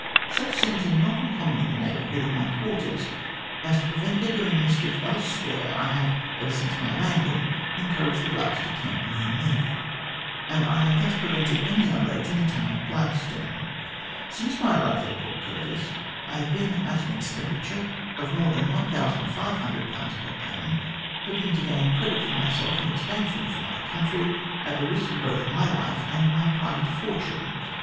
Such scenes are not uncommon in the neighbourhood of my quarters, as to prevent their doing mischief elsewhere, I have, ever since my landing, encouraged the blacks to camp near me,, and I have thus prevented any outrage in the town of Gladstone. Since my arrival at Port Curtis, I have been at an expenditure of THE CORRESPONDENCE OF SIR MAURICE O'CONNELL 145 more than 1500 per annum, hoping to gain credit for myself and expansion for my country at the risk both of my life and my private fortune.